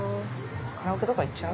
カラオケとか行っちゃう？